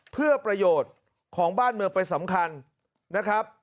เพื่อประโยชน์ของบ้านเมืองไปสำคัญนะครับ